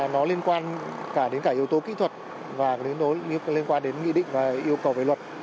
nó liên quan cả đến cả yếu tố kỹ thuật và liên quan đến nghị định và yêu cầu về luật